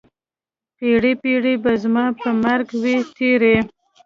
پیړۍ، پیړۍ به زما په مرګ وي تېرې